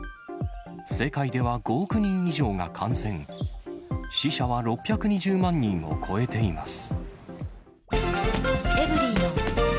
世界では５億人以上が感染、死者は６２０万人を超えています。